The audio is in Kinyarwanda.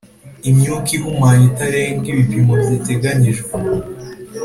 imyuka ihumanya itarenga ibipimo biteganyijwe